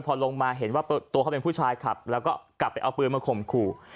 พอลงมาตัวเขาเป็นผู้ชายขับก็กลับไปเอาปืนมาข่มขู่